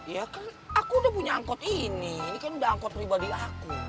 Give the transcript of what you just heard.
ya kan aku udah punya angkot ini ini kan udah angkot pribadi aku